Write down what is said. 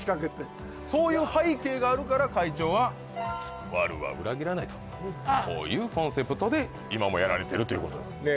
そういう背景があるから会長はワルは裏切らないとこういうコンセプトで今もやられているということですねえ